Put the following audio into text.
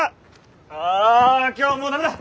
あ今日はもうダメだ！